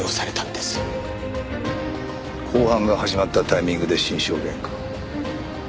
公判が始まったタイミングで新証言か。